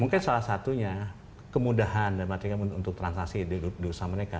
mungkin salah satunya kemudahan dan berarti untuk transaksi di usaha mereka